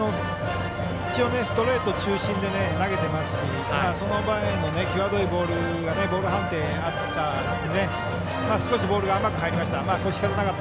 一応、ストレート中心で投げていますしその前の際どいボールはボール判定になったので少しボールが甘く入りました。